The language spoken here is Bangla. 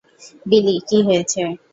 বিলি, কী হয়েছে?